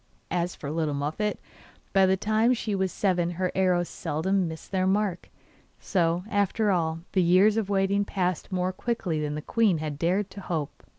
As for little Muffette, by the time she was seven her arrows seldom missed their mark. So, after all, the years of waiting passed more quickly than the queen had dared to hope.